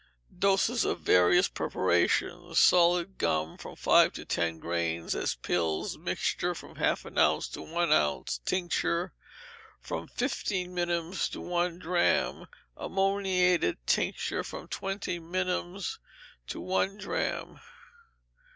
Doses of various preparations. Solid gum, from five to ten grains as pills; mixture, from half an ounce to one ounce; tincture, from fifteen minims to one drachm; ammoniated tincture, from twenty minims to one drachm.